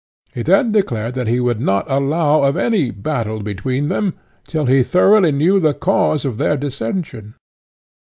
He then declared that he would not allow of any battle between them, till he thoroughly knew the cause of their dissension.